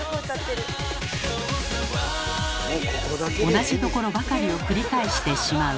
．同じところばかりを繰り返してしまう。